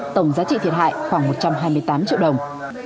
tổng giá trị thiệt hại khoảng một trăm hai mươi tám triệu đồng